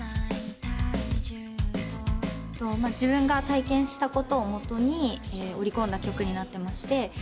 自分が体験したことを基に織り込んだ曲になってまして。